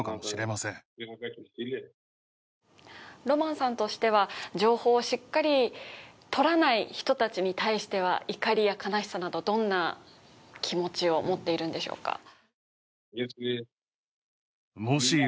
ロマンさんとしては情報をしっかり取らない人たちに対しては怒りや悲しさなど、どんな気持ちを持っているんでしょうか。